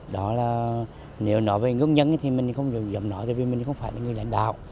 đó là nếu nói về ngốc nhân thì mình không dùng dòng nói vì mình không phải là người lãnh đạo